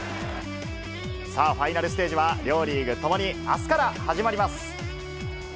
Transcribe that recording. さあ、ファイナルステージは両リーグともに、あすから始まります。